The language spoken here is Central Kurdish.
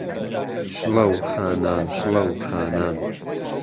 شڵهو خانان، شڵهو خانان